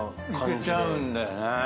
いけちゃうんだよね。